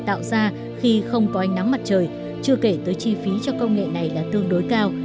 tạo ra khi không có ánh nắng mặt trời chưa kể tới chi phí cho công nghệ này là tương đối cao